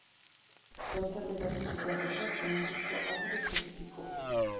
Son cervezas típicas belgas con un gusto ácido específico.